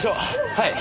はい。